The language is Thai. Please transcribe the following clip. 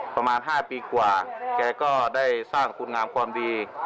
ประมาณ๕ปีกว่าแกก็ได้สร้างคุณงามความดี